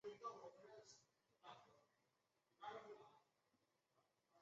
南叉的汉普顿地区也是第二次世界大战后居民数量剧增的地区。